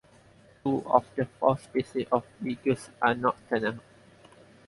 Two of the four species of degus are nocturnal.